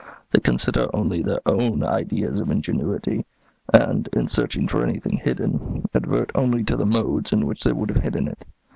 They consider only their own ideas of ingenuity; and, in searching for anything hidden, advert only to the modes in which they would have hidden it.